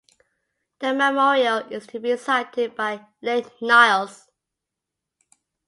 The memorial is to be sited by Lake Nyos.